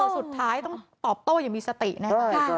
สุดท้ายต้องตอบโตอย่ามีสตินะ